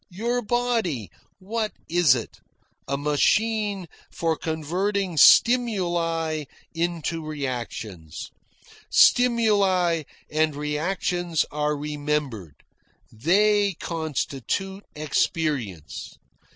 Your body what is it? A machine for converting stimuli into reactions. Stimuli and reactions are remembered. They constitute experience.